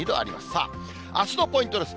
さあ、あすのポイントです。